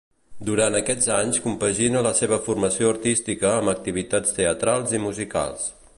Durant aquests anys compagina la seva formació artística amb activitats teatrals i musicals.